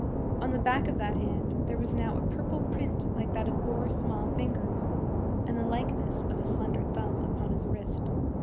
On the back of that hand there was now a purple print like that of four small fingers, and the likeness of a slender thumb upon his wrist.